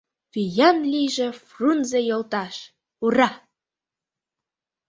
Виян лийже Фрунзе йолташ, ура!